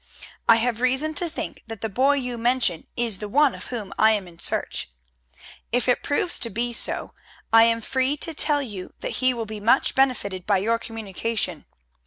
I have reason to think that the boy you mention is the one of whom I am in search. If it proves to be so, I am free to tell you that he will be much benefited by your communication.